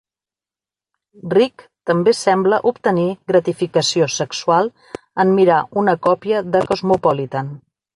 Rik també sembla obtenir gratificació sexual en mirar una còpia de "Cosmopolitan".